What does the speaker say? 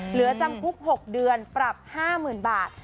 เหลือจำคุก๖เดือนปรับ๕๐๐๐บาท